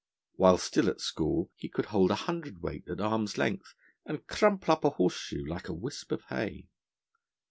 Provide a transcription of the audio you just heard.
While still at school he could hold a hundredweight at arm's length, and crumple up a horseshoe like a wisp of hay.